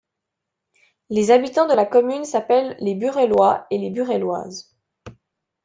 Les habitants de la commune s'appellent les Burellois et les Burelloises.